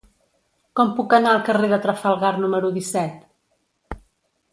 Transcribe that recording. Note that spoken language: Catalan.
Com puc anar al carrer de Trafalgar número disset?